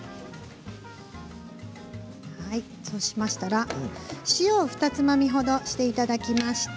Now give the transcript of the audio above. そうしましたら塩をふたつまみほどしていただきまして